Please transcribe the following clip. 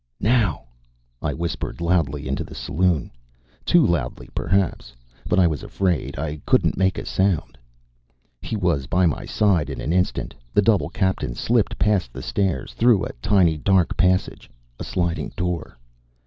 "Now," I whispered, loudly, into the saloon too loudly, perhaps, but I was afraid I couldn't make a sound. He was by my side in an instant the double captain slipped past the stairs through a tiny dark passage ... a sliding door.